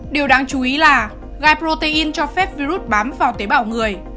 điều đáng chú ý là gai protein cho phép virus bám vào tế bào người